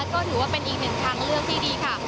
ก็ถือว่าเป็นอีกหนึ่งทางเลือกที่ดีค่ะ